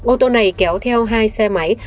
ô tô này kéo theo hai xe máy